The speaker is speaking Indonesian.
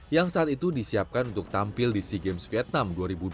yang saat itu disiapkan untuk tampil di sea games vietnam dua ribu dua puluh